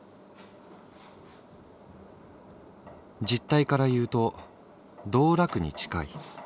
「実態から言うと道楽に近い」。